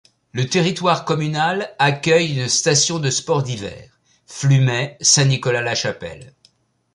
Le territoire communal accueille une station de sports d'hiver, Flumet - Saint-Nicolas-la-Chapelle.